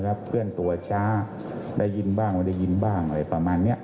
แล้วเพื่อนตัวช้าได้ยินบ้างไม่ได้ยินบ้างอะไรประมาณนี้